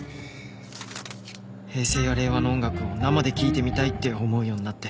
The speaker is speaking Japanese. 平成や令和の音楽を生で聴いてみたいって思うようになって。